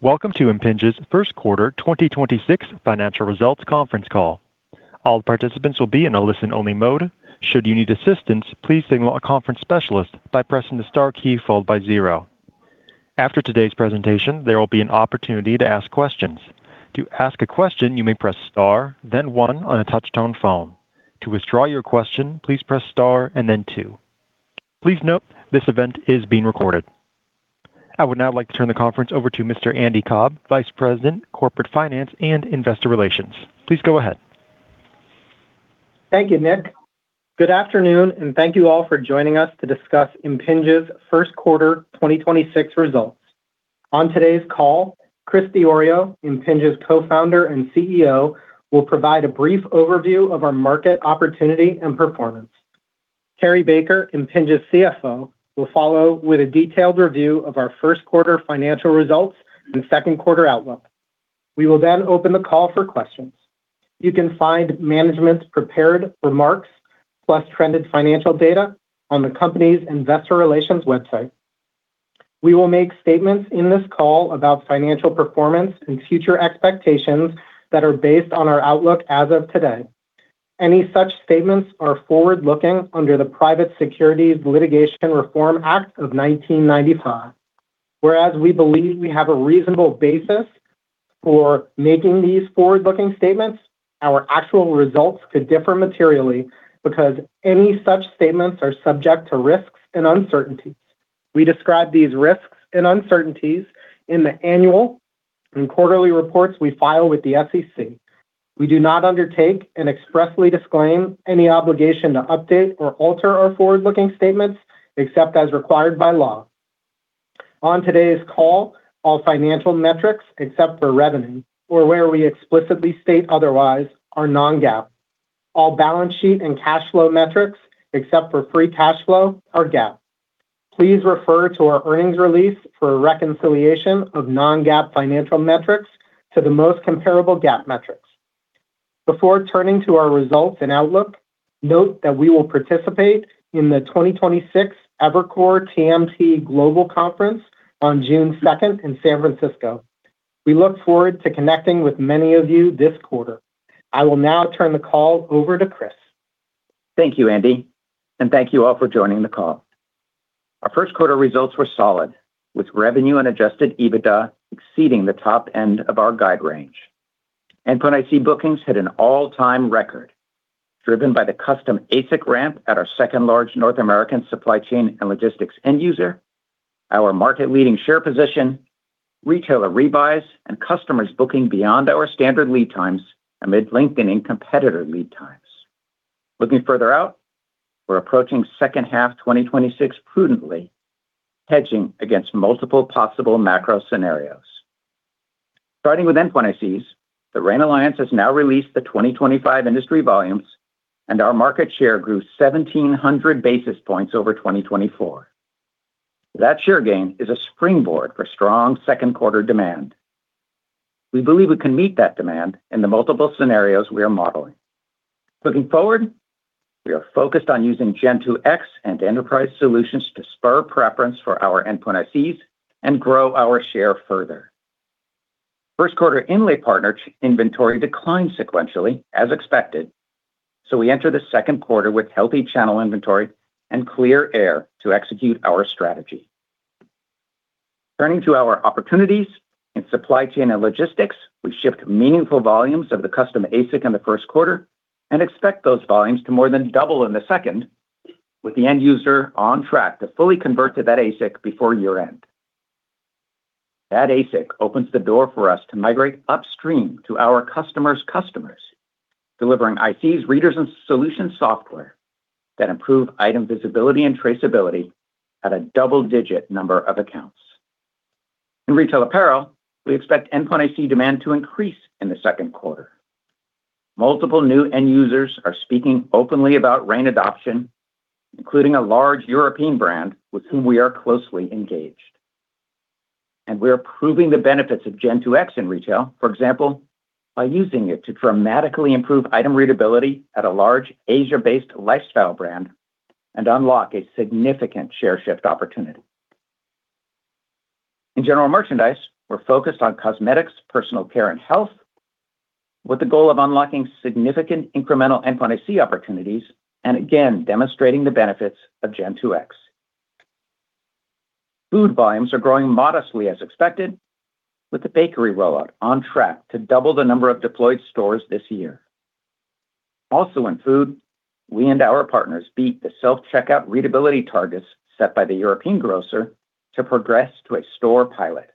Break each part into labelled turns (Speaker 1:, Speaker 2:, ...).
Speaker 1: Welcome to Impinj's first quarter 2026 financial results conference call. All participants will be in a listen-only mode. Should you need assistance, please signal a conference specialist by pressing the Star key followed by zero. After today's presentation, there will be an opportunity to ask questions. To ask a question, you may press Star, then one on a touch-tone phone. To withdraw your question, please press Star and then two. Please note this event is being recorded. I would now like to turn the conference over to Mr. Andy Cobb, Vice President, Corporate Finance and Investor Relations. Please go ahead.
Speaker 2: Thank you, Nick. Good afternoon, thank you all for joining us to discuss Impinj's first quarter 2026 results. On today's call, Chris Diorio, Impinj's Co-Founder and CEO, will provide a brief overview of our market opportunity and performance. Cary Baker, Impinj's CFO, will follow with a detailed review of our first quarter financial results and second quarter outlook. We will open the call for questions. You can find management's prepared remarks, plus trended financial data on the company's investor relations website. We will make statements in this call about financial performance and future expectations that are based on our outlook as of today. Any such statements are forward-looking under the Private Securities Litigation Reform Act of 1995. We believe we have a reasonable basis for making these forward-looking statements, our actual results could differ materially, because any such statements are subject to risks and uncertainties. We describe these risks and uncertainties in the annual and quarterly reports we file with the SEC. We do not undertake and expressly disclaim any obligation to update or alter our forward-looking statements, except as required by law. On today's call, all financial metrics, except for revenue or where we explicitly state otherwise, are non-GAAP. All balance sheet and cash flow metrics, except for free cash flow are GAAP. Please refer to our earnings release for a reconciliation of non-GAAP financial metrics to the most comparable GAAP metrics. Before turning to our results and outlook, note that we will participate in the 2026 Evercore TMT Global Conference on June 2 in San Francisco. We look forward to connecting with many of you this quarter. I will now turn the call over to Chris.
Speaker 3: Thank you, Andy, and thank you all for joining the call. Our first quarter results were solid, with revenue and Adjusted EBITDA exceeding the top end of our guide range. endpoint IC bookings hit an all-time record, driven by the custom ASIC ramp at our second-largest North American supply chain and logistics end user, our market-leading share position, retailer revisions, and customers booking beyond our standard lead times amid lengthening competitor lead times. Looking further out, we're approaching second half 2026 prudently, hedging against multiple possible macro scenarios. Starting with endpoint ICs, the RAIN Alliance has now released the 2025 industry volumes, and our market share grew 1,700 basis points over 2024. That share gain is a springboard for strong second quarter demand. We believe we can meet that demand in the multiple scenarios we are modeling. Looking forward, we are focused on using Gen2X and Enterprise solutions to spur preference for our endpoint ICs and grow our share further. First quarter inlay partner inventory declined sequentially as expected. We enter the second quarter with healthy channel inventory and clear air to execute our strategy. Turning to our opportunities, in supply chain and logistics, we shipped meaningful volumes of the custom ASIC in the first quarter and expect those volumes to more than double in the second, with the end user on track to fully convert to that ASIC before year-end. That ASIC opens the door for us to migrate upstream to our customer's customers, delivering ICs, readers, and solution software that improve item visibility and traceability at a double-digit number of accounts. In retail apparel, we expect endpoint IC demand to increase in the second quarter. Multiple new end users are speaking openly about RAIN adoption, including a large European brand with whom we are closely engaged. We're proving the benefits of Gen2X in retail, for example, by using it to dramatically improve item readability at a large Asia-based lifestyle brand and unlock a significant share shift opportunity. In general merchandise, we're focused on cosmetics, personal care, and health, with the goal of unlocking significant incremental endpoint IC opportunities and again demonstrating the benefits of Gen2X. Food volumes are growing modestly as expected, with the bakery rollout on track to double the number of deployed stores this year. Also in food, we and our partners beat the self-checkout readability targets set by the European grocer to progress to a store pilot.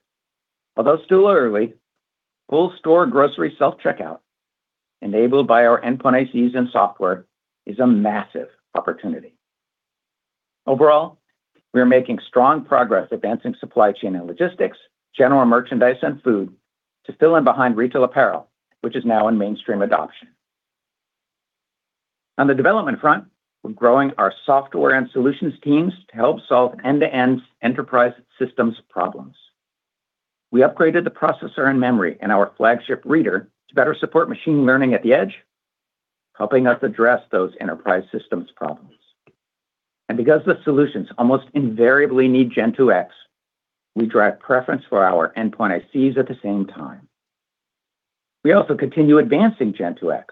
Speaker 3: Although still early, full-store grocery self-checkout, enabled by our endpoint ICs and software, is a massive opportunity. Overall, we are making strong progress advancing supply chain and logistics, general merchandise, and food to fill in behind retail apparel, which is now in mainstream adoption. On the development front, we're growing our software and solutions teams to help solve end-to-end enterprise systems problems. We upgraded the processor and memory in our flagship reader to better support machine learning at the edge, helping us address those enterprise systems problems. Because the solutions almost invariably need Gen2X, we drive preference for our endpoint ICs at the same time. We also continue advancing Gen2X,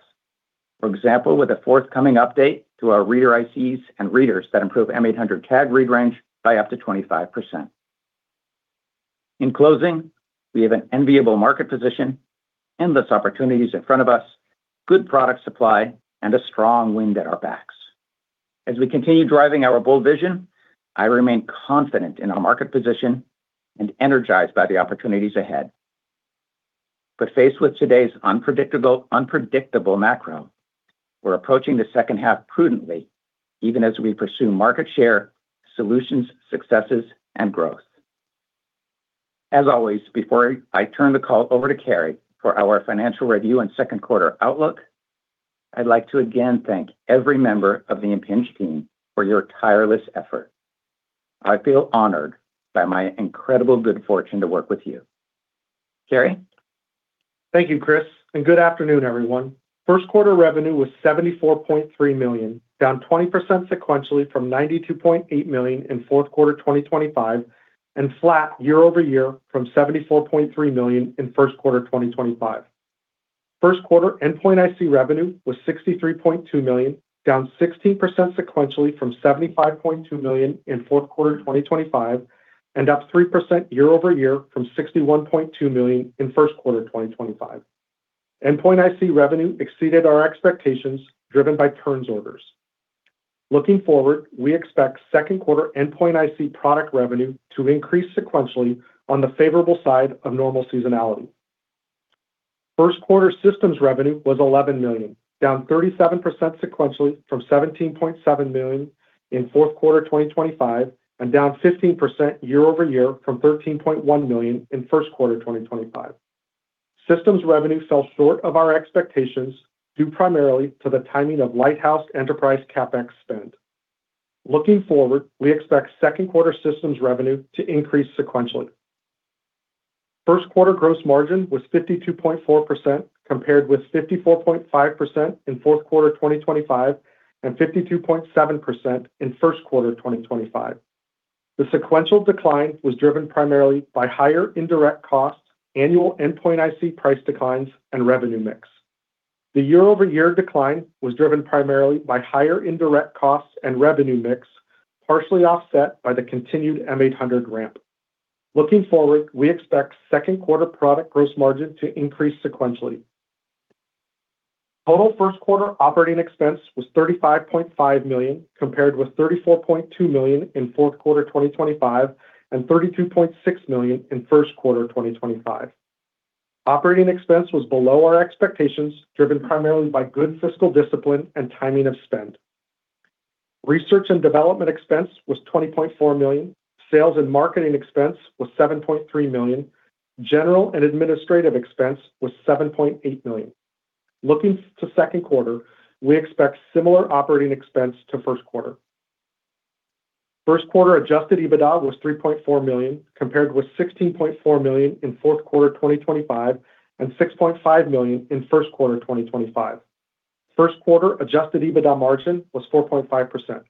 Speaker 3: for example, with a forthcoming update to our reader ICs and readers that improve M800 tag read range by up to 25%. In closing, we have an enviable market position, endless opportunities in front of us, good product supply, and a strong wind at our backs. As we continue driving our bold vision, I remain confident in our market position and energized by the opportunities ahead. Faced with today's unpredictable macro, we're approaching the second half prudently, even as we pursue market share, solutions, successes, and growth. Always, before I turn the call over to Cary for our financial review and second quarter outlook, I'd like to again thank every member of the Impinj team for your tireless effort. I feel honored by my incredible good fortune to work with you. Cary?
Speaker 4: Thank you, Chris, and good afternoon, everyone. First quarter revenue was $74.3 million, down 20% sequentially from $92.8 million in fourth quarter 2025 and flat year-over-year from $74.3 million in first quarter 2025. Endpoint IC revenue was $63.2 million, down 16% sequentially from $75.2 million in fourth quarter 2025 and up 3% year-over-year from $61.2 million in first quarter 2025. Endpoint IC revenue exceeded our expectations, driven by turns orders. Looking forward, we expect second quarter endpoint IC product revenue to increase sequentially on the favorable side of normal seasonality. First quarter systems revenue was $11 million, down 37% sequentially from $17.7 million in fourth quarter 2025 and down 15% year-over-year from $13.1 million in first quarter 2025. Systems revenue fell short of our expectations due primarily to the timing of Lighthouse Enterprise CapEx spend. Looking forward, we expect second quarter systems revenue to increase sequentially. First quarter gross margin was 52.4% compared with 54.5% in fourth quarter 2025 and 52.7% in first quarter 2025. The sequential decline was driven primarily by higher indirect costs, annual endpoint IC price declines, and revenue mix. The year-over-year decline was driven primarily by higher indirect costs and revenue mix, partially offset by the continued M800 ramp. Looking forward, we expect second quarter product gross margin to increase sequentially. Total first quarter operating expense was $35.5 million, compared with $34.2 million in fourth quarter 2025 and $32.6 million in first quarter 2025. Operating expense was below our expectations, driven primarily by good fiscal discipline and timing of spend. Research and development expense was $20.4 million. Sales and marketing expense was $7.3 million. General and administrative expense was $7.8 million. Looking to second quarter, we expect similar operating expense to first quarter. First quarter Adjusted EBITDA was $3.4 million, compared with $16.4 million in fourth quarter 2025 and $6.5 million in first quarter 2025. First quarter adjusted EBITDA margin was 4.5%.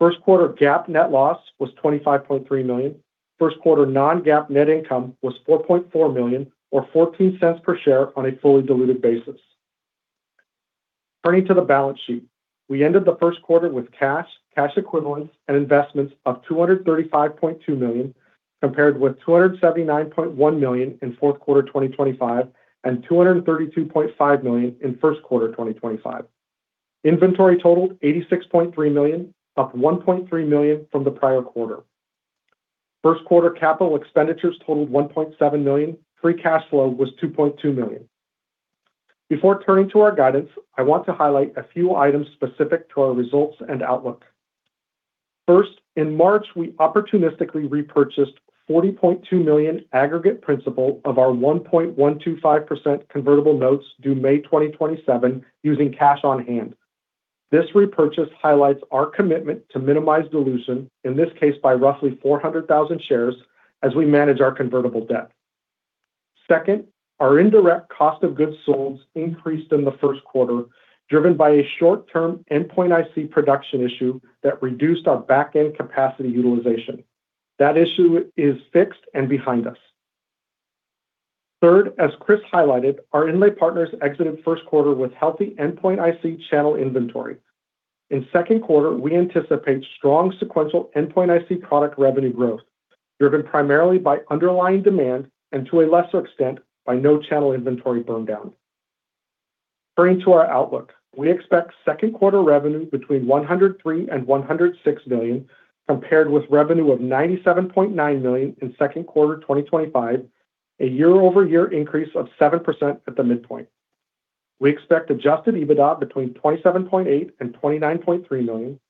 Speaker 4: First quarter GAAP net loss was $25.3 million. First quarter non-GAAP net income was $4.4 million or $0.14 per share on a fully diluted basis. Turning to the balance sheet, we ended the first quarter with cash equivalents, and investments of $235.2 million, compared with $279.1 million in fourth quarter 2025 and $232.5 million in first quarter 2025. Inventory totaled $86.3 million, up $1.3 million from the prior quarter. First quarter capital expenditures totaled $1.7 million. Free cash flow was $2.2 million. Before turning to our guidance, I want to highlight a few items specific to our results and outlook. First, in March, we opportunistically repurchased $40.2 million aggregate principal of our 1.125% convertible notes due May 2027 using cash on hand. This repurchase highlights our commitment to minimize dilution, in this case by roughly 400,000 shares, as we manage our convertible debt. Second, our indirect cost of goods sold increased in the first quarter, driven by a short-term endpoint IC production issue that reduced our back-end capacity utilization. That issue is fixed and behind us. Third, as Chris highlighted, our inlay partners exited first quarter with healthy endpoint IC channel inventory. In second quarter, we anticipate strong sequential endpoint IC product revenue growth, driven primarily by underlying demand and to a lesser extent, by no channel inventory burn down. Turning to our outlook, we expect second quarter revenue between $103 million and $106 million, compared with revenue of $97.9 million in second quarter 2025, a year-over-year increase of 7% at the midpoint. We expect adjusted EBITDA between $27.8 million and $29.3 million.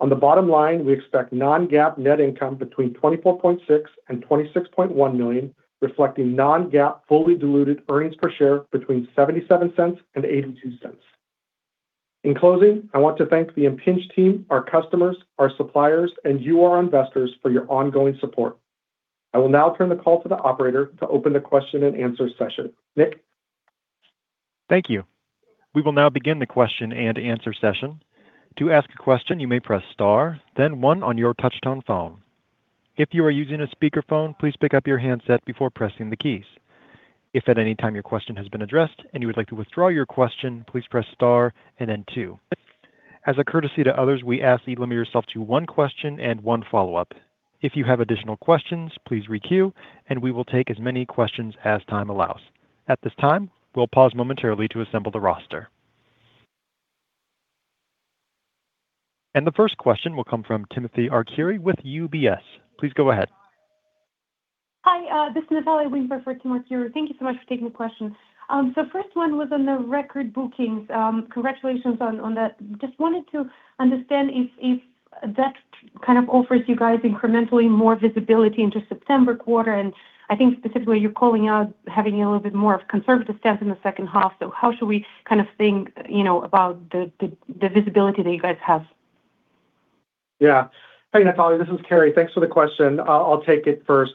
Speaker 4: On the bottom line, we expect non-GAAP net income between $24.6 million and $26.1 million, reflecting non-GAAP fully diluted earnings per share between $0.77 and $0.82. In closing, I want to thank the Impinj team, our customers, our suppliers, and you, our investors, for your ongoing support. I will now turn the call to the operator to open the question and answer session. Nick?
Speaker 1: Thank you. We will now begin the question and answer session. To ask a question, you may press star then one on your touch-tone phone. If you are using a speakerphone, please pick up your handset before pressing the keys. If at any time your question has been addressed and you would like to withdraw your question, please press Star and then two. As a courtesy to others, we ask that you limit yourself to one question and one follow-up. If you have additional questions, please re-queue, and we will take as many questions as time allows. At this time, we'll pause momentarily to assemble the roster. The first question will come from Timothy Arcuri with UBS. Please go ahead.
Speaker 5: Hi, this is Natalia Wimbush for Timothy Arcuri. Thank you so much for taking the question. First one was on the record bookings. Congratulations on that. Just wanted to understand if that kind of offers you guys incrementally more visibility into September quarter, and I think specifically you're calling out having a little bit more of conservative stance in the second half. How should we kind of think, you know, about the visibility that you guys have?
Speaker 4: Natalia, this is Cary. Thanks for the question. I'll take it first.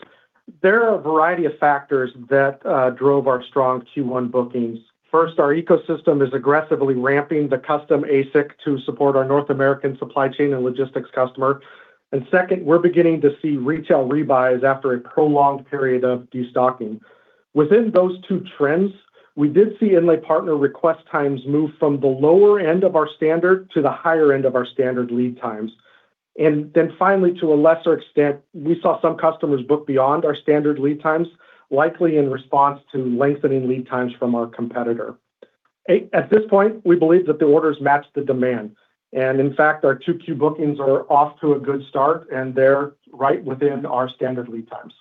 Speaker 4: There are a variety of factors that drove our strong Q1 bookings. First, our ecosystem is aggressively ramping the custom ASIC to support our North American supply chain and logistics customer. Second, we're beginning to see retail rebuy after a prolonged period of de-stocking. Within those two trends, we did see inlay partner request times move from the lower end of our standard to the higher end of our standard lead times. Finally, to a lesser extent, we saw some customers book beyond our standard lead times, likely in response to lengthening lead times from our competitor. At this point, we believe that the orders match the demand. In fact, our 2Q bookings are off to a good start, and they're right within our standard lead times.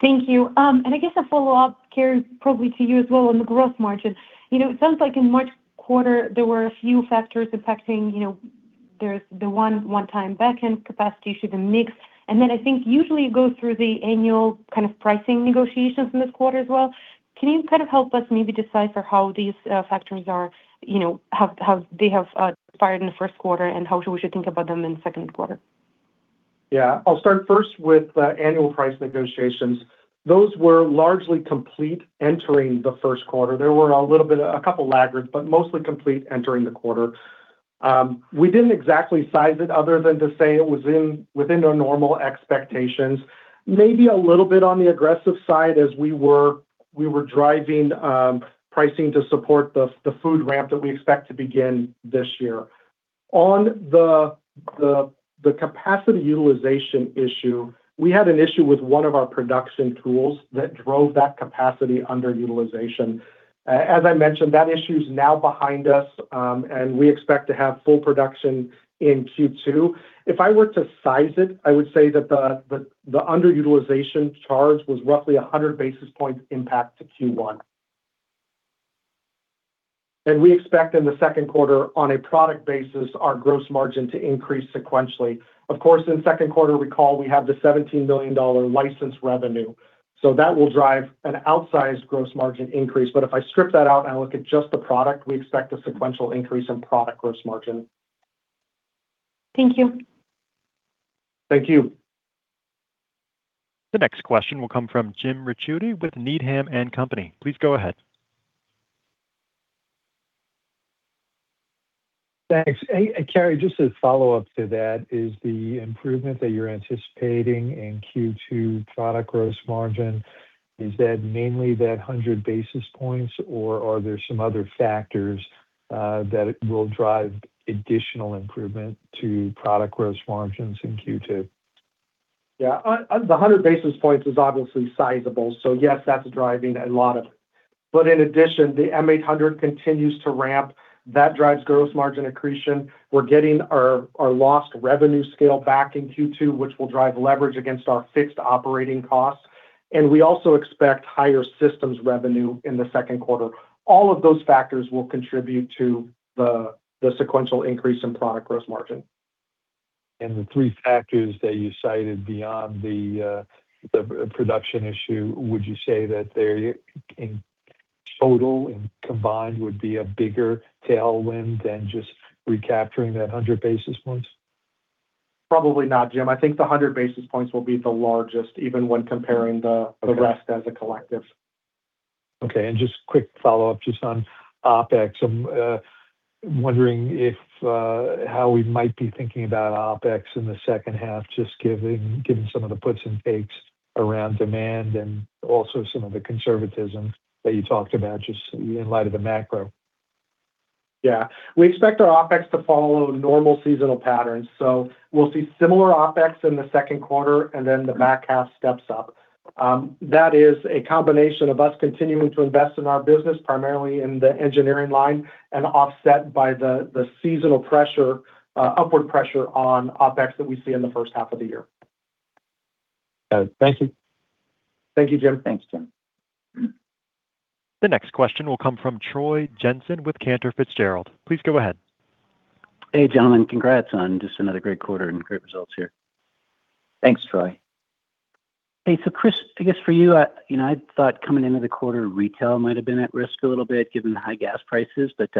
Speaker 5: Thank you. I guess a follow-up, Cary, probably to you as well on the gross margin. You know, it sounds like in March quarter there were a few factors affecting, you know, there's the one-time backend capacity issue, the mix. I think usually you go through the annual kind of pricing negotiations in this quarter as well. Can you kind of help us maybe decipher how these factors are, you know, how they have fared in the first quarter, and how should we think about them in second quarter?
Speaker 4: Yeah. I'll start first with annual price negotiations. Those were largely complete entering the first quarter. There were a little bit, a couple laggards, but mostly complete entering the quarter. We didn't exactly size it other than to say it was within our normal expectations. Maybe a little bit on the aggressive side as we were driving pricing to support the food ramp that we expect to begin this year. On the capacity utilization issue, we had an issue with one of our production tools that drove that capacity underutilization. As I mentioned, that issue's now behind us. We expect to have full production in Q2. If I were to size it, I would say that the underutilization charge was roughly 100 basis points impact to Q1. We expect in the second quarter, on a product basis, our gross margin to increase sequentially. Of course, in second quarter, recall we have the $17 million license revenue, that will drive an outsized gross margin increase. If I strip that out and I look at just the product, we expect a sequential increase in product gross margin.
Speaker 5: Thank you.
Speaker 4: Thank you.
Speaker 1: The next question will come from Jim Ricchiuti with Needham & Company. Please go ahead.
Speaker 6: Thanks. Hey, Cary, just a follow-up to that, is the improvement that you're anticipating in Q2 product gross margin, is that mainly that 100 basis points, or are there some other factors that will drive additional improvement to product gross margins in Q2?
Speaker 4: Yeah. The 100 basis points is obviously sizable, yes, that's driving a lot of it. In addition, the M800 continues to ramp. That drives gross margin accretion. We're getting our lost revenue scale back in Q2, which will drive leverage against our fixed operating costs. We also expect higher systems revenue in the second quarter. All of those factors will contribute to the sequential increase in product gross margin.
Speaker 6: The 3 factors that you cited beyond the production issue, would you say that they're in total and combined would be a bigger tailwind than just recapturing that 100 basis points?
Speaker 4: Probably not, Jim. I think the 100 basis points will be the largest, even when comparing.
Speaker 6: Okay
Speaker 4: The rest as a collective.
Speaker 6: Okay. Just quick follow-up just on OpEx. Wondering if how we might be thinking about OpEx in the second half, given some of the puts and takes around demand and also some of the conservatism that you talked about just in light of the macro?
Speaker 4: Yeah. We expect our OpEx to follow normal seasonal patterns, so we will see similar OpEx in the second quarter, and then the back half steps up. That is a combination of us continuing to invest in our business, primarily in the engineering line, and offset by the seasonal pressure, upward pressure on OpEx that we see in the first half of the year.
Speaker 6: Thank you.
Speaker 4: Thank you, Jim.
Speaker 3: Thanks, Jim.
Speaker 1: The next question will come from Troy Jensen with Cantor Fitzgerald. Please go ahead.
Speaker 7: Hey, gentlemen. Congrats on just another great quarter and great results here.
Speaker 4: Thanks, Troy.
Speaker 7: Hey, Chris, I guess for you know, I thought coming into the quarter, retail might have been at risk a little bit given the high gas prices, but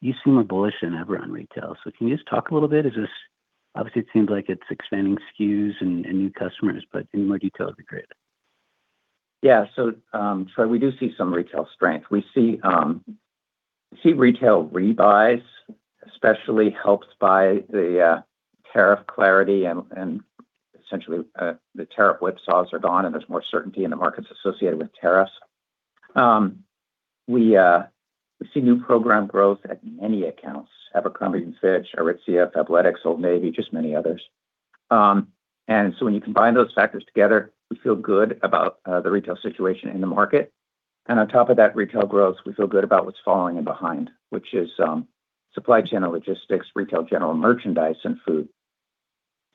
Speaker 7: you seem bullish on overall retail. Can you just talk a little bit, is this? Obviously, it seems like it's expanding SKUs and new customers. Any more detail would be great.
Speaker 3: Yeah. We do see some retail strength. We see, we see retail rebuyes, especially helped by the tariff clarity and essentially, the tariff whipsaws are gone and there's more certainty in the markets associated with tariffs. We see new program growth at many accounts, Abercrombie & Fitch, Aritzia, Athleta, Old Navy, just many others. So when you combine those factors together, we feel good about the retail situation in the market. On top of that retail growth, we feel good about what's following in behind, which is supply chain and logistics, retail general merchandise and food.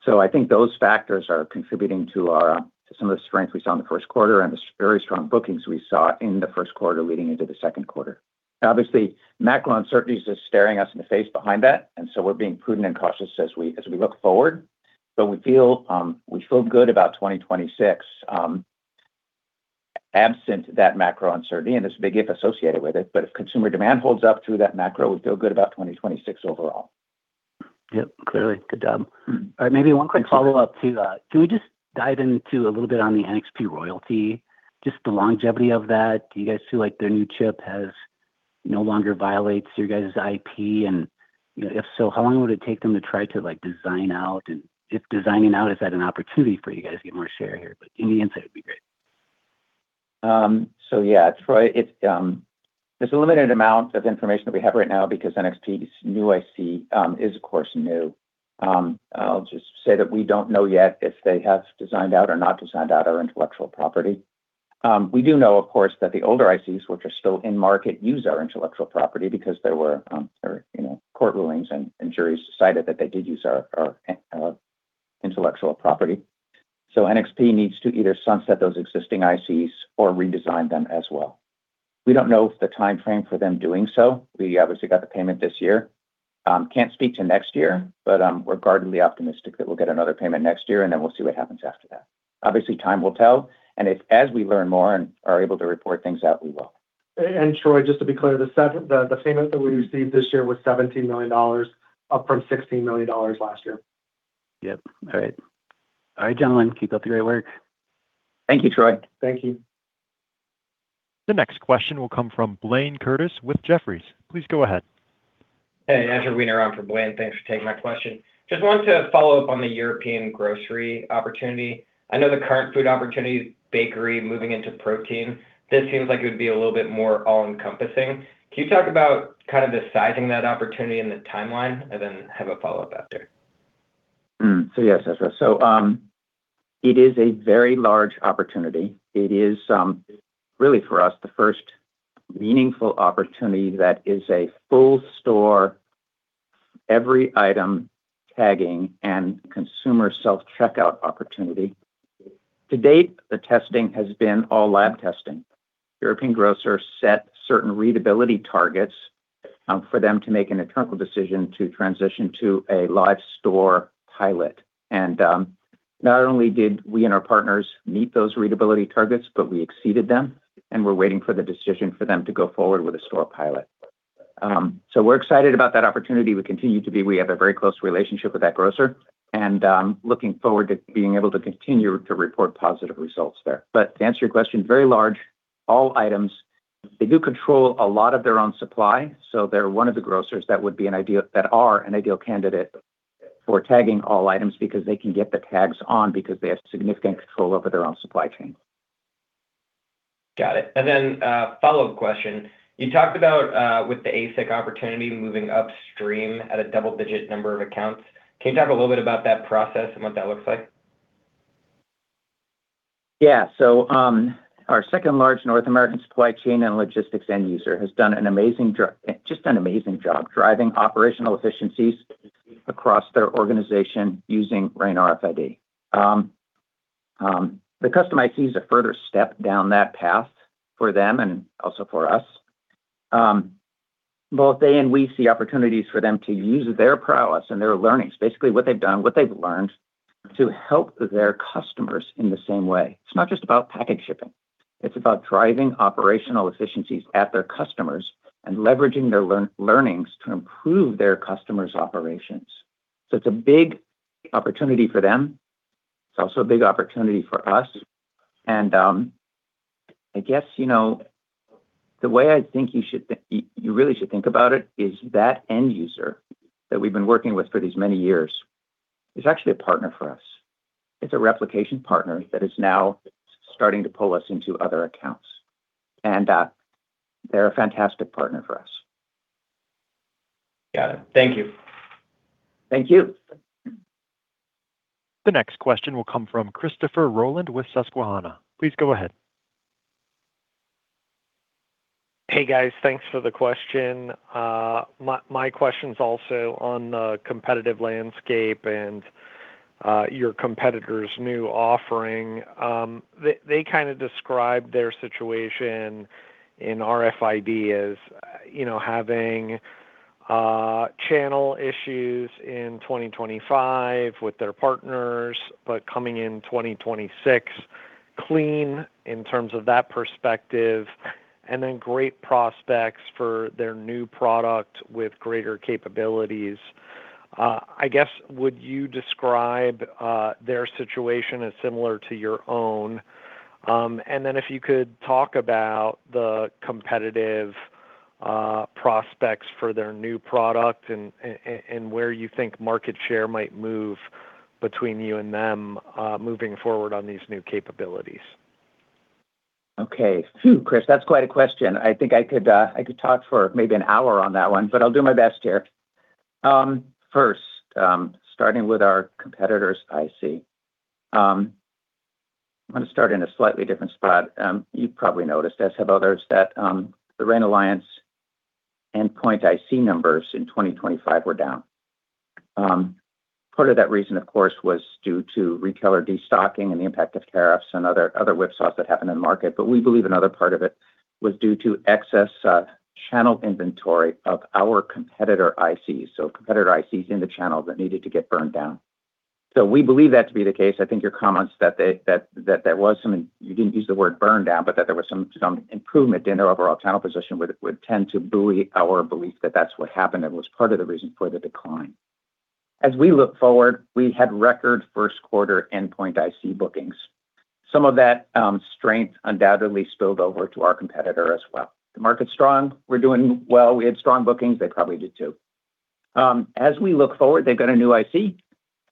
Speaker 3: I think those factors are contributing to our to some of the strength we saw in the first quarter and the very strong bookings we saw in the first quarter leading into the second quarter. Obviously, macro uncertainty is just staring us in the face behind that. We're being prudent and cautious as we look forward. We feel good about 2026 absent that macro uncertainty and this big if associated with it. If consumer demand holds up to that macro, we feel good about 2026 overall.
Speaker 7: Yep, clearly. Good job. All right, maybe one quick follow-up too. Can we just dive into a little bit on the NXP royalty, just the longevity of that. Do you guys feel like their new chip no longer violates your guys' IP? You know, if so, how long would it take them to try to, like, design out? If designing out, is that an opportunity for you guys to get more share here? Any insight would be great.
Speaker 3: Yeah, Troy, it's, there's a limited amount of information that we have right now because NXP's new IC is of course new. I'll just say that we don't know yet if they have designed out or not designed out our intellectual property. We do know of course that the older ICs, which are still in market, use our intellectual property because there were, or, you know, court rulings and juries decided that they did use our, our intellectual property. NXP needs to either sunset those existing ICs or redesign them as well. We don't know the timeframe for them doing so. We obviously got the payment this year. Can't speak to next year, but I'm guardedly optimistic that we'll get another payment next year, and then we'll see what happens after that. Obviously, time will tell, and if as we learn more and are able to report things out, we will.
Speaker 4: Troy, just to be clear, the payment that we received this year was $17 million, up from $16 million last year.
Speaker 7: Yep. All right. All right, gentlemen, keep up the great work.
Speaker 3: Thank you, Troy.
Speaker 4: Thank you.
Speaker 1: The next question will come from Blayne Curtis with Jefferies. Please go ahead.
Speaker 8: Hey, Andrew Weiner on for Blayne Curtis. Thanks for taking my question. Wanted to follow up on the European grocery opportunity. I know the current food opportunity is bakery moving into protein. This seems like it would be a little bit more all-encompassing. Can you talk about kind of the sizing that opportunity and the timeline? Have a follow-up after?
Speaker 3: Yes, yes. It is a very large opportunity. It is, really for us, the first meaningful opportunity that is a full store, every item tagging and consumer self-checkout opportunity. To date, the testing has been all lab testing. European grocers set certain readability targets, for them to make an internal decision to transition to a live store pilot. Not only did we and our partners meet those readability targets, but we exceeded them, and we're waiting for the decision for them to go forward with a store pilot. We're excited about that opportunity. We continue to be. We have a very close relationship with that grocer and, looking forward to being able to continue to report positive results there. To answer your question, very large, all items. They do control a lot of their own supply, they're one of the grocers that are an ideal candidate for tagging all items because they can get the tags on because they have significant control over their own supply chain.
Speaker 8: Got it. Follow-up question. You talked about, with the ASIC opportunity moving upstream at a double-digit number of accounts. Can you talk a little bit about that process and what that looks like?
Speaker 3: Yeah. Our second-largest North American supply chain and logistics end user has done an amazing just an amazing job driving operational efficiencies across their organization using RAIN RFID. The custom IC is a further step down that path for them and also for us. Both they and we see opportunities for them to use their prowess and their learnings, basically what they've done, what they've learned, to help their customers in the same way. It's not just about package shipping. It's about driving operational efficiencies at their customers and leveraging their learnings to improve their customers' operations. It's a big opportunity for them. It's also a big opportunity for us. I guess, you know, the way I think you really should think about it is that end user that we've been working with for these many years is actually a partner for us. It's a replication partner that is now starting to pull us into other accounts. They're a fantastic partner for us.
Speaker 8: Got it. Thank you.
Speaker 3: Thank you.
Speaker 1: The next question will come from Christopher Rolland with Susquehanna. Please go ahead.
Speaker 9: Hey, guys. Thanks for the question. My question's also on the competitive landscape and your competitor's new offering. They kind of described their situation in RFID as, you know, having channel issues in 2025 with their partners, but coming in 2026. Clean in terms of that perspective, and then great prospects for their new product with greater capabilities. I guess, would you describe their situation as similar to your own? And then if you could talk about the competitive prospects for their new product and where you think market share might move between you and them, moving forward on these new capabilities.
Speaker 3: Okay. Phew, Chris, that's quite a question. I think I could talk for maybe an hour on that one, but I'll do my best here. Starting with our competitor's IC. I'm gonna start in a slightly different spot. You've probably noticed, as have others, that the RAIN Alliance endpoint IC numbers in 2025 were down. Part of that reason, of course, was due to retailer destocking and the impact of tariffs and other whipsaws that happened in the market. We believe another part of it was due to excess channel inventory of our competitor ICs, so competitor ICs in the channel that needed to get burned down. We believe that to be the case. I think your comments that there was some. You didn't use the word burn down, but that there was some improvement in their overall channel position would tend to buoy our belief that that's what happened. It was part of the reason for the decline. We look forward, we had record first quarter endpoint IC bookings. Some of that strength undoubtedly spilled over to our competitor as well. The market's strong. We're doing well. We had strong bookings. They probably did too. We look forward, they've got a new IC.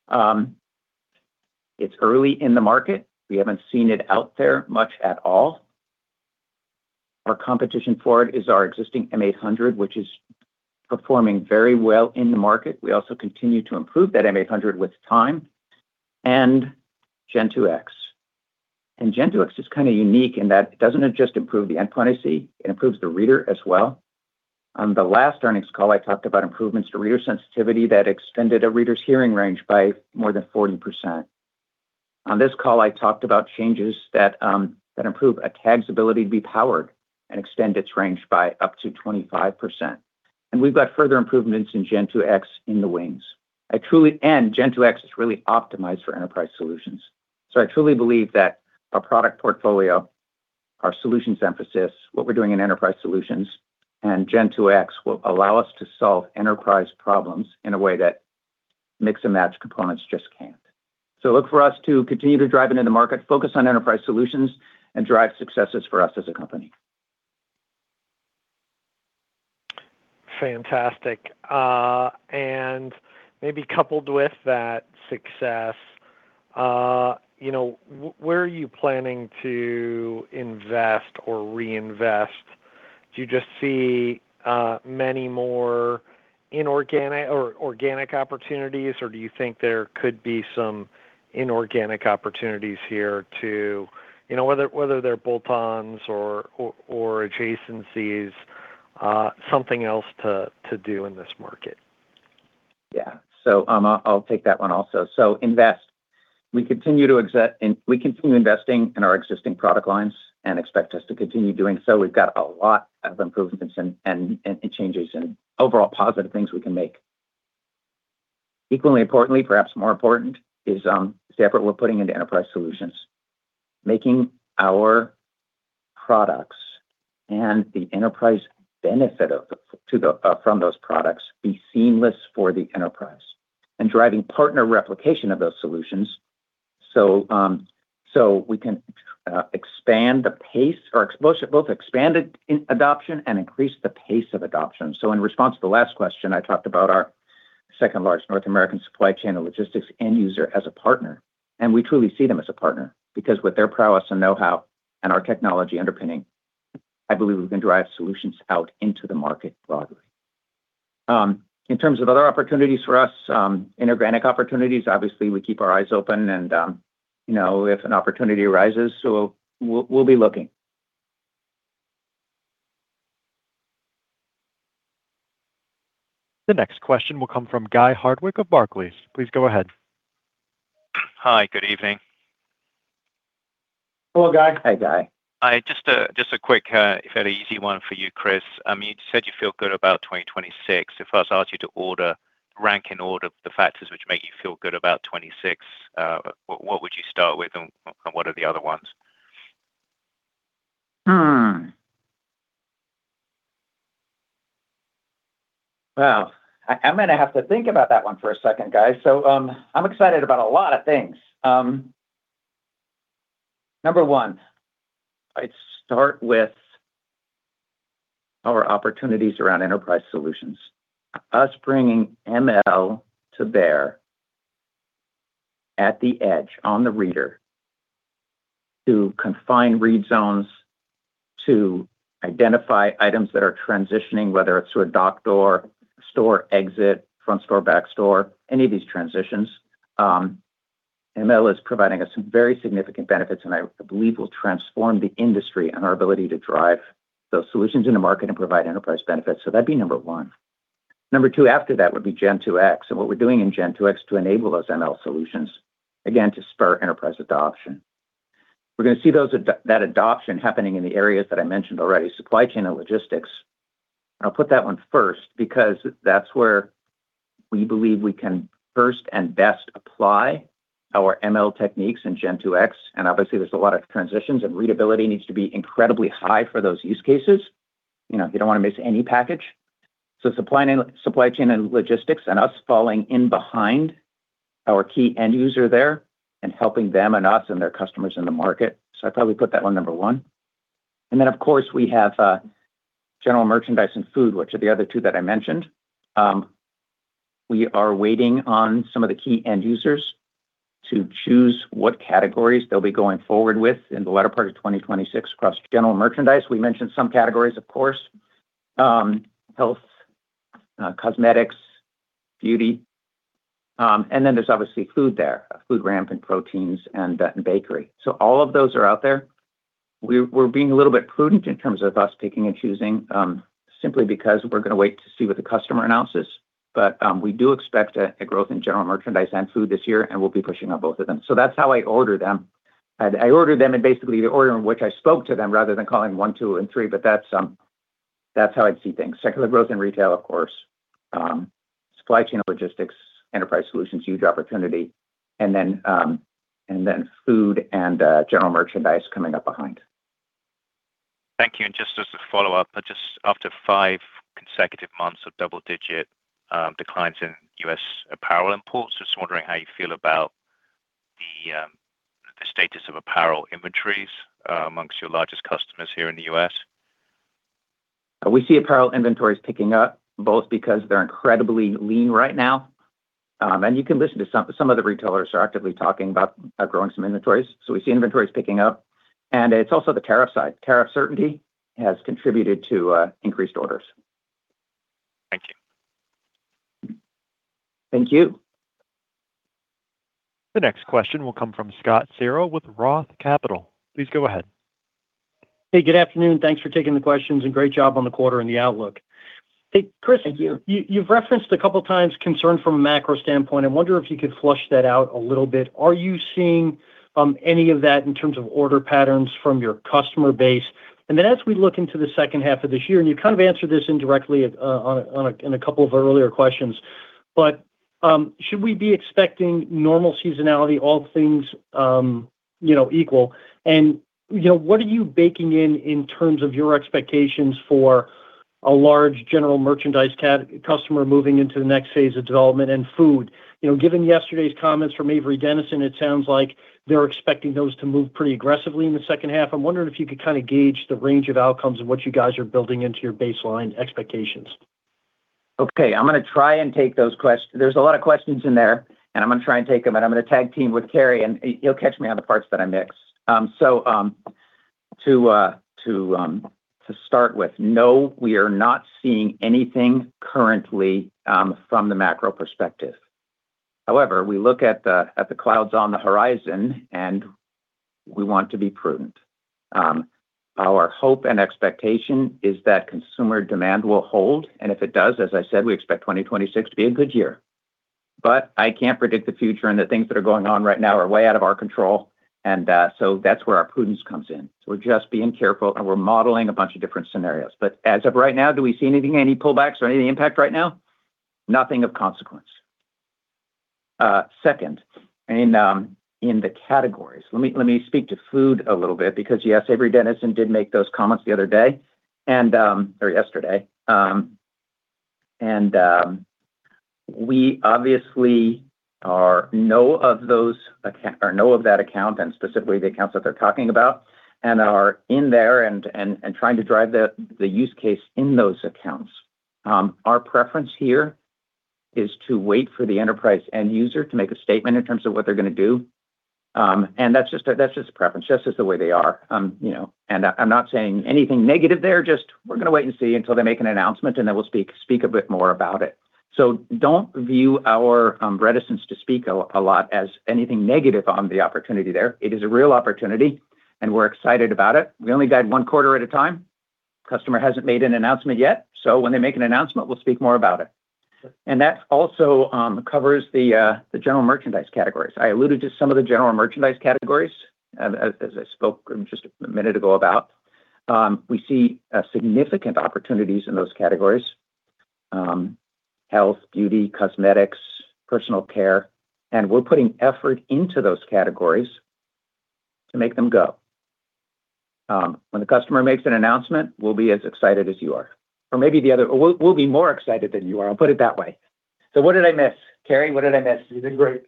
Speaker 3: It's early in the market. We haven't seen it out there much at all. Our competition for it is our existing M800, which is performing very well in the market. We also continue to improve that M800 with time, and Gen2X. Gen2X is kind of unique in that it doesn't just improve the endpoint IC, it improves the reader as well. On the last earnings call, I talked about improvements to reader sensitivity that extended a reader's hearing range by more than 40%. On this call, I talked about changes that improve a tag's ability to be powered and extend its range by up to 25%. We've got further improvements in Gen2X in the wings. Gen2X is really optimized for enterprise solutions. I truly believe that our product portfolio, our solutions emphasis, what we're doing in enterprise solutions, and Gen2X will allow us to solve enterprise problems in a way that mix and match components just can't. Look for us to continue to drive into the market, focus on enterprise solutions, and drive successes for us as a company.
Speaker 9: Fantastic. Maybe coupled with that success, you know, where are you planning to invest or reinvest? Do you just see many more inorganic or organic opportunities, or do you think there could be some inorganic opportunities here to, you know, whether they're bolt-ons or adjacencies, something else to do in this market?
Speaker 3: Yeah. I'll take that one also. Invest. We continue investing in our existing product lines, and expect us to continue doing so. We've got a lot of improvements and changes and overall positive things we can make. Equally importantly, perhaps more important, is the effort we're putting into enterprise solutions, making our products and the enterprise benefit of the, to the, from those products be seamless for the enterprise, and driving partner replication of those solutions so we can expand the pace or exposure, both expand it in adoption and increase the pace of adoption. In response to the last question, I talked about our second-largest North American supply chain and logistics end user as a partner, and we truly see them as a partner. Because with their prowess and know-how and our technology underpinning, I believe we can drive solutions out into the market broadly. In terms of other opportunities for us, inorganic opportunities, obviously, we keep our eyes open and, you know, if an opportunity arises, so we'll be looking.
Speaker 1: The next question will come from Guy Hardwick of Barclays. Please go ahead.
Speaker 10: Hi, good evening.
Speaker 4: Hello, Guy.
Speaker 3: Hey, Guy.
Speaker 10: Hi, just a quick, fairly easy one for you, Chris. You said you feel good about 2026. If I was to ask you to order, rank in order the factors which make you feel good about 26, what would you start with and what are the other ones?
Speaker 3: I'm gonna have to think about that one for a second, Guy. I'm excited about a lot of things. Number one, I'd start with our opportunities around enterprise solutions. Us bringing ML to bear at the edge on the reader to confine read zones, to identify items that are transitioning, whether it's to a dock door, store exit, front store, back store, any of these transitions. ML is providing us some very significant benefits, and I believe will transform the industry and our ability to drive those solutions in the market and provide enterprise benefits. That'd be number one. Number two after that would be Gen2X, and what we're doing in Gen2X to enable those ML solutions, again, to spur enterprise adoption. We're gonna see that adoption happening in the areas that I mentioned already, supply chain and logistics. I'll put that one first because that's where we believe we can first and best apply our ML techniques in Gen2X. Obviously there's a lot of transitions, and readability needs to be incredibly high for those use cases. You know, you don't wanna miss any package. Supply chain and logistics, us falling in behind our key end user there and helping them and us and their customers in the market. I'd probably put that one number one. Of course, we have general merchandise and food, which are the other two that I mentioned. We are waiting on some of the key end users to choose what categories they'll be going forward with in the latter part of 2026 across general merchandise. We mentioned some categories, of course, health, cosmetics, beauty, and then there's obviously food there, food, ramp, and proteins, and then bakery. All of those are out there. We're being a little bit prudent in terms of us picking and choosing simply because we're gonna wait to see what the customer announces. We do expect a growth in general merchandise and food this year, and we'll be pushing on both of them. That's how I order them. I order them in basically the order in which I spoke to them rather than calling one, two and three, but that's how I'd see things. Secular growth in retail, of course. supply chain and logistics, enterprise solutions, huge opportunity. Food and general merchandise coming up behind.
Speaker 10: Thank you. Just as a follow-up, just after five consecutive months of double-digit declines in U.S. apparel imports, just wondering how you feel about the status of apparel inventories amongst your largest customers here in the U.S.?
Speaker 3: We see apparel inventories picking up, both because they're incredibly lean right now. You can listen to some of the retailers are actively talking about growing some inventories. We see inventories picking up. It's also the tariff side. Tariff certainty has contributed to increased orders.
Speaker 10: Thank you.
Speaker 3: Thank you.
Speaker 1: The next question will come from Scott Searle with Roth Capital. Please go ahead.
Speaker 11: Hey, good afternoon. Thanks for taking the questions, and great job on the quarter and the outlook. Hey, Chris-
Speaker 3: Thank you.
Speaker 11: you've referenced a couple times concern from a macro standpoint. I wonder if you could flush that out a little bit. Are you seeing any of that in terms of order patterns from your customer base? As we look into the second half of this year, and you kind of answered this indirectly in a couple of our earlier questions, should we be expecting normal seasonality, all things, you know, equal? You know, what are you baking in in terms of your expectations for a large general merchandise customer moving into the next phase of development and food? You know, given yesterday's comments from Avery Dennison, it sounds like they're expecting those to move pretty aggressively in the second half. I'm wondering if you could kinda gauge the range of outcomes of what you guys are building into your baseline expectations?
Speaker 3: Okay. I'm gonna try and take those. There's a lot of questions in there, and I'm gonna try and take them, and I'm gonna tag team with Cary, and you'll catch me on the parts that I mix. To start with, no, we are not seeing anything currently from the macro perspective. However, we look at the clouds on the horizon, and we want to be prudent. Our hope and expectation is that consumer demand will hold, and if it does, as I said, we expect 2026 to be a good year. I can't predict the future, and the things that are going on right now are way out of our control, and that's where our prudence comes in. We're just being careful, and we're modeling a bunch of different scenarios. As of right now, do we see anything, any pullbacks or any impact right now? Second, in the categories. Let me speak to food a little bit because, yes, Avery Dennison did make those comments the other day and or yesterday. And we obviously are know of that account and specifically the accounts that they're talking about, and are in there and trying to drive the use case in those accounts. Our preference here is to wait for the enterprise end user to make a statement in terms of what they're gonna do. And that's just a preference. That's just the way they are. You know, I'm not saying anything negative there, just we're gonna wait and see until they make an announcement, then we'll speak a bit more about it. Don't view our reticence to speak a lot as anything negative on the opportunity there. It is a real opportunity, we're excited about it. We only guide one quarter at a time. Customer hasn't made an announcement yet, when they make an announcement, we'll speak more about it. That also covers the general merchandise categories. I alluded to some of the general merchandise categories as I spoke just a minute ago about. We see significant opportunities in those categories, health, beauty, cosmetics, personal care, we're putting effort into those categories to make them go. When the customer makes an announcement, we'll be as excited as you are. We'll be more excited than you are. I'll put it that way. What did I miss, Cary? What did I miss? You did great.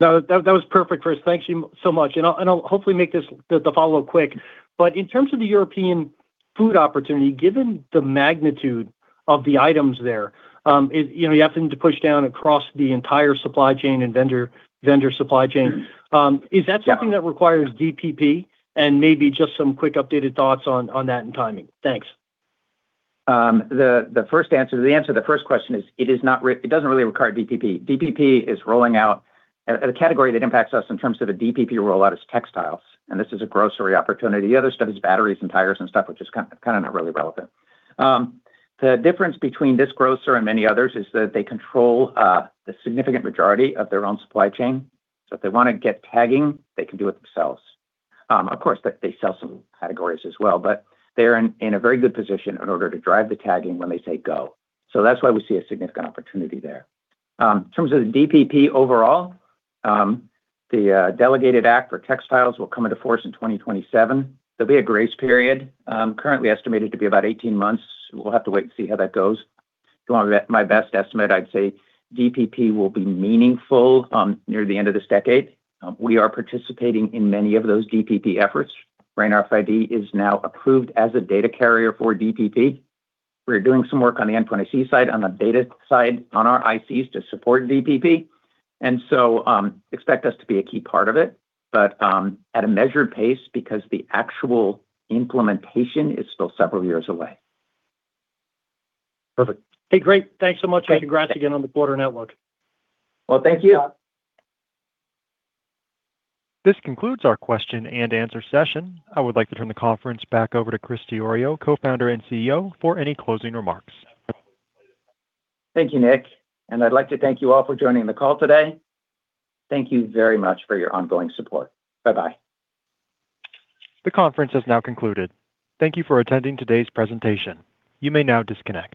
Speaker 11: No, that was perfect, Chris. Thank you so much. I'll hopefully make this the follow quick. In terms of the European food opportunity, given the magnitude of the items there, you know, you have to push down across the entire supply chain and vendor supply chain. Is that something that requires DPP? Maybe just some quick updated thoughts on that and timing. Thanks.
Speaker 3: The, the first answer, the answer to the first question is, it is not it doesn't really require DPP. DPP is rolling out. The category that impacts us in terms of a DPP rollout is textiles, and this is a grocery opportunity. The other stuff is batteries and tires and stuff, which is kind of not really relevant. The difference between this grocer and many others is that they control the significant majority of their own supply chain. If they wanna get tagging, they can do it themselves. Of course, they sell some categories as well, but they're in a very good position in order to drive the tagging when they say go. That's why we see a significant opportunity there. In terms of the DPP overall, the delegated act for textiles will come into force in 2027. There'll be a grace period, currently estimated to be about 18 months. We'll have to wait and see how that goes. My best estimate, I'd say DPP will be meaningful near the end of this decade. We are participating in many of those DPP efforts. RAIN RFID is now approved as a data carrier for DPP. We're doing some work on the N.26 side, on the data side, on our ICs to support DPP. Expect us to be a key part of it, at a measured pace because the actual implementation is still several years away.
Speaker 11: Perfect. Hey, great. Thanks so much.
Speaker 3: Great.
Speaker 11: Congrats again on the quarter network.
Speaker 3: Well, thank you.
Speaker 1: This concludes our question and answer session. I would like to turn the conference back over to Chris Diorio, Co-Founder and CEO, for any closing remarks.
Speaker 3: Thank you, Nick. I'd like to thank you all for joining the call today. Thank you very much for your ongoing support. Bye-bye.
Speaker 1: The conference has now concluded. Thank you for attending today's presentation. You may now disconnect.